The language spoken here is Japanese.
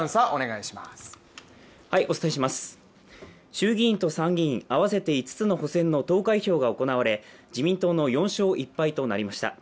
衆議院と参議院合わせて５つの補選の投開票が行われ自民党の４勝１敗となりました。